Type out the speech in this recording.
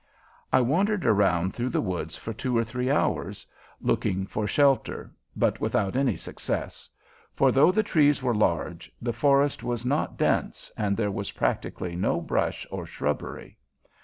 I wandered around through the woods for two or three hours, looking for shelter, but without any success, for, though the trees were large, the forest was not dense and there was practically no brush or shrubbery.